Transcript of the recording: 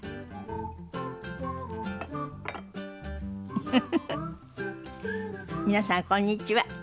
フフフフ皆さんこんにちは。